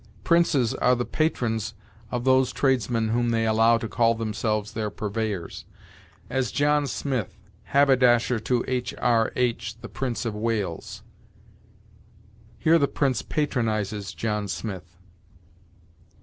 Princes are the patrons of those tradesmen whom they allow to call themselves their purveyors; as, "John Smith, Haberdasher to H. R. H. the Prince of Wales." Here the Prince patronizes John Smith.